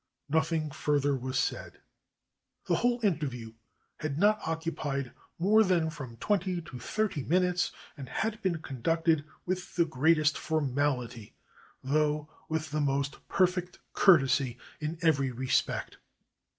Nothing further was said. The whole interview had not occupied more than from twenty to thirty minutes, and had been conducted with the great est formality, though with the most perfect courtesy in every respect.